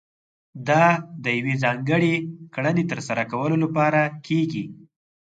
دا د يوې ځانګړې کړنې ترسره کولو لپاره کېږي.